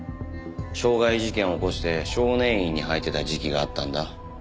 傷害事件を起こして少年院に入ってた時期があったんだ。